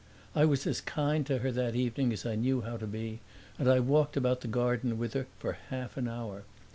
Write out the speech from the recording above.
I was as kind to her that evening as I knew how to be, and I walked about the garden with her for half an hour.